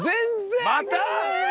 また！？